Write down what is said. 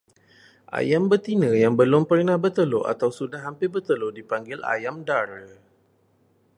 Ayam betina yang belum pernah bertelur atau sudah hampir bertelur dipanggil ayam dara.